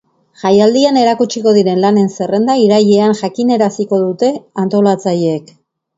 Jaialdian erakutsiko diren lanen zerrenda irailean jakineraziko dute antolatzaileek.